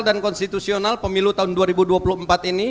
dan konstitusional pemilu tahun dua ribu dua puluh empat ini